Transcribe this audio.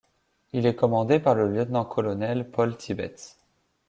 Il est commandé par le lieutenant-colonel Paul Tibbets.